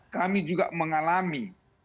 kami juga mengalami